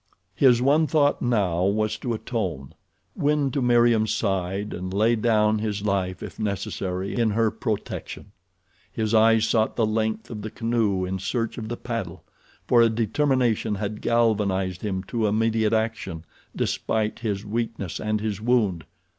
His one thought now was to atone—win to Meriem's side and lay down his life, if necessary, in her protection. His eyes sought the length of the canoe in search of the paddle, for a determination had galvanized him to immediate action despite his weakness and his wound.